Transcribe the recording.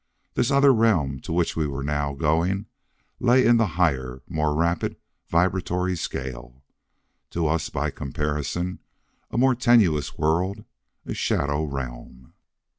This other realm to which we were now going lay in the higher, more rapid vibratory scale. To us, by comparison, a more tenuous world, a shadow realm.